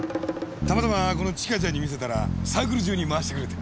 たまたまこのチカちゃんに見せたらサークル中に回してくれて。